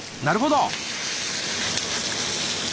なるほど！